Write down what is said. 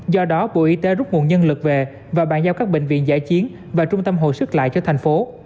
do đó bộ y tế rút nguồn nhân lực về và bàn giao các bệnh viện giải chiến và trung tâm hồi sức lại cho thành phố